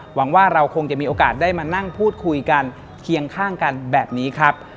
หวังว่าเราคงจะมีโอกาสได้มานั่งพูดคุยกันเคียงข้างกันแบบนี้ครับ